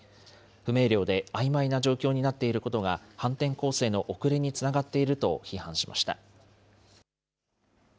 不明瞭であいまいな状況になっていることが、反転攻勢の遅れにつながっていると批判しました。